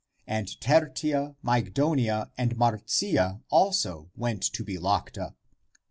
And Tertia, Mygdonia and Marcia also went to be locked up.